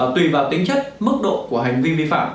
tùy vào tính chất mức độ của hành vi vi phạm